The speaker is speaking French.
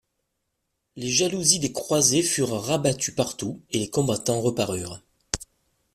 Les jalousies des croisées furent rabattues partout, et les combattants reparurent.